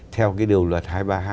theo cái điều luật hai trăm ba mươi hai